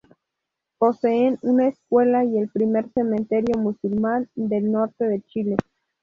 Poseen una escuela y el primer cementerio musulmán del norte de Chile.